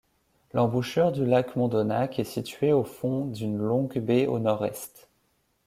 L'embouchure du lac Mondonac est située au fond d'une longue baie au nord-est.